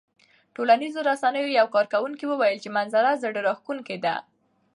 ټولنیزو رسنیو یو کاروونکي وویل چې منظره زړه راښکونکې ده.